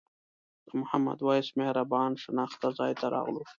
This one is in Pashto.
د محمد وېس مهربان شناخته ځای ته راغلو.